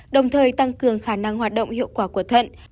đồng thời tăng cường khả năng hoạt động hiệu quả của thận